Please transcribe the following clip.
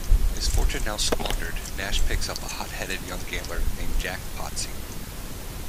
His fortune now squandered, Nashe picks up a hot-headed young gambler named Jack Pozzi.